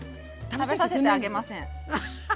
食べさせてあげません。